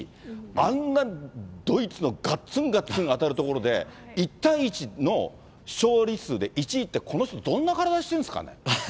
あんなドイツのがっつんがっつん当たるところで、１対１の勝利数で１位って、この人どんな体してるんですかね。